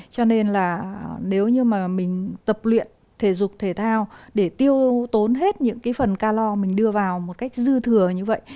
cho nên là nếu như mà mình tập luyện thể dục thể thao để tiêu tốn hết những cái phần ca lo mình đưa vào một cách dư thừa như vậy